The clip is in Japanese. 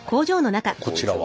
こちらは？